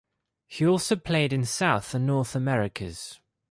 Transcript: He also played in South and North Americas.